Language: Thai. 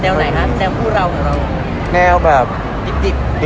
ว่ามานี่ก็แบบปกติด